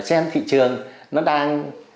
xem thị trường nó đang